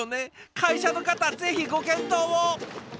会社の方ぜひご検討を。